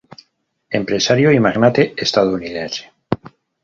Empresario y magnate estadounidense.